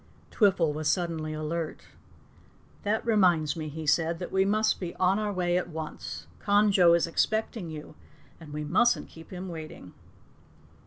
Twiffle was suddenly alert. "That reminds me," he said, "that we must be on our way at once. Conjo is expecting you and we mustn't keep him waiting."